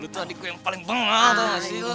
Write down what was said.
lo tuh adik gue yang paling bangga tau gak sih lo